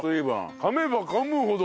かめばかむほど。